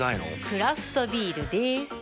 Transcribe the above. クラフトビールでーす。